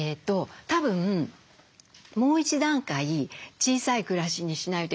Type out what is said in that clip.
たぶんもう一段階小さい暮らしにしないといけないと思ってるんですね。